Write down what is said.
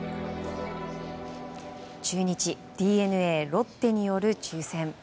中日、ＤｅＮＡ、ロッテによる抽選。